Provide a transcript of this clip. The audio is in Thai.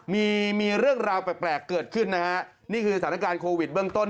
มีมีเรื่องราวแปลกเกิดขึ้นนะฮะนี่คือสถานการณ์โควิดเบื้องต้น